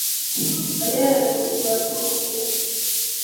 ya ajabu yaliyotengenezwa na watu Shimo hilo liko